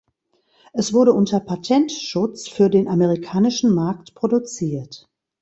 Es wurde unter Patentschutz für den amerikanischen Markt produziert.